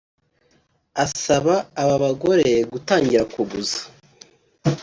asaba aba bagore gutangira kuguza